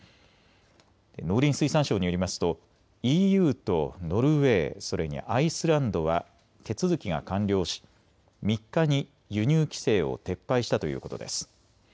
農林水産省によりますとＥＵとノルウェー、それにアイスランドは手続きが完了し３日に輸入規制を撤廃したということです。